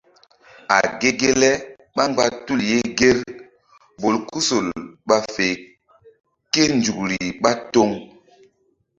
A ge ge le ɓá mgba tul ye ŋger bolkusol ɓa fe kénzukri ɓá toŋ.